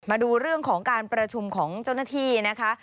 มาดูเรื่องของการประชุมของเจ้าหน้าที่นะคะ